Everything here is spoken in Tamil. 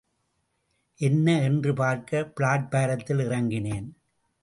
என்ன என்று பார்க்க பிளாட்பாரத்தில் இறங்கினேன்.